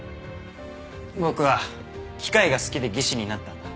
僕は機械が好きで技師になったんだ。